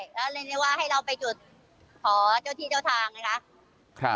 และเรียนว่าให้เราไปจุดขอเจ้าที่เจ้าทางอย่างนั้นคะ